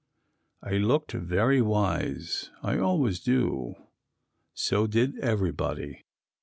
I looked very wise, I always do. So did everybody.